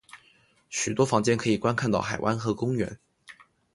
许多房间可以观看到海湾和公园。